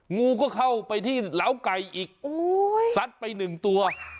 งูก็เข้าไปที่เล้าไก่อีกซัดไปหนึ่งตัว